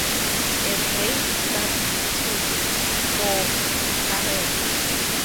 A braid starts with two "fore-parents".